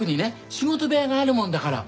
仕事部屋があるもんだから。